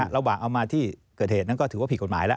เอามาที่เกิดเหตุนั้นก็ถือว่าผิดกฎหมายแล้ว